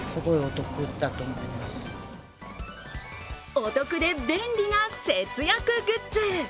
お得で便利な節約グッズ。